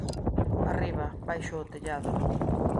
Arriba, baixo o tellado.